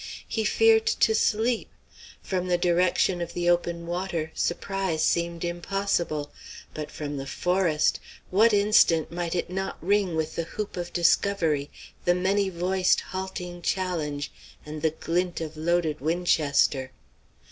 He feared to sleep. From the direction of the open water surprise seemed impossible; but from the forest! what instant might it not ring with the whoop of discovery, the many voiced halting challenge, and the glint of loaded Winchester?